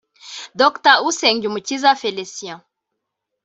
Dr Usengumukiza Felicien